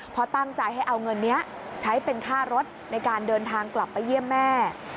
เพราะตั้งใจให้เอาเงินนี้ใช้เป็นค่ารถในการเดินทางกลับไปเยี่ยมแม่